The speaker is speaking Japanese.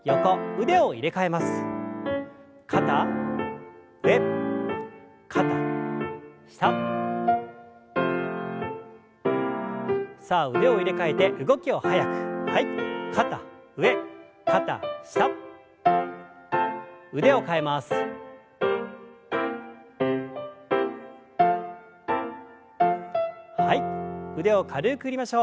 腕を軽く振りましょう。